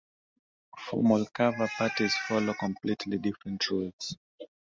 Formal kava parties follow completely different rules.